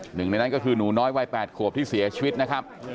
หนึ่งในนั้นก็คือหนูน้อยวัย๘ขวบที่เสียชีวิตนะครับ